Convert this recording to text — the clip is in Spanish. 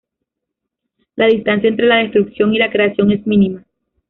La distancia entre la destrucción y la creación es mínima.